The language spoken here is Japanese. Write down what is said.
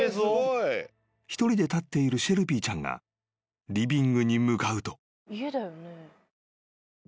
［一人で立っているシェルピーちゃんがリビングに向かうと］